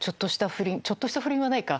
「ちょっとした不倫」はないか。